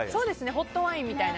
ホットワインみたいな。